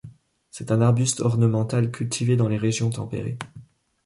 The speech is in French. C'est un arbuste ornemental cultivé dans les régions tempérées.